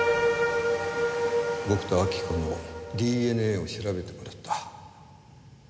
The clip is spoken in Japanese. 僕と明子のＤＮＡを調べてもらった。